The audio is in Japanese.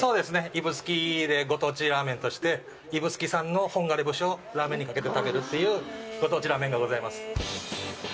指宿でご当地ラーメンとして指宿産の本枯れ節をラーメンにかけて食べるというご当地ラーメンがございます。